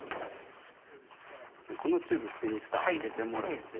このチューブに２つ入れてもらって。